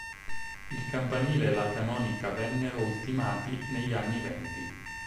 Il campanile e la canonica vennero ultimati negli anni venti.